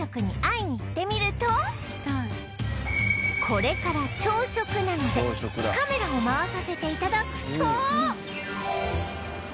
これから朝食なのでカメラを回させて頂くと